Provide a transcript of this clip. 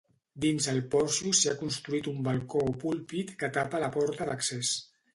Dins el porxo s'hi ha construït un balcó o púlpit que tapa la porta d'accés.